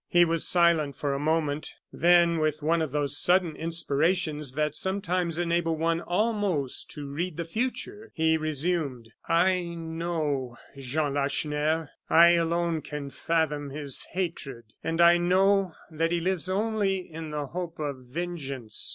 He was silent for a moment; then, with one of those sudden inspirations that sometimes enable one almost to read the future, he resumed: "I know Jean Lacheneur. I alone can fathom his hatred, and I know that he lives only in the hope of vengeance.